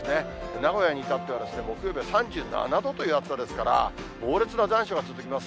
名古屋に至っては、木曜日は３７度という暑さですから、猛烈な残暑が続きます。